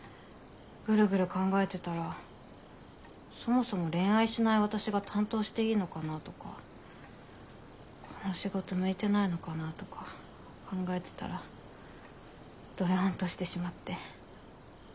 グルグル考えてたらそもそも恋愛しない私が担当していいのかなとかこの仕事向いてないのかなとか考えてたらドヨンとしてしまって。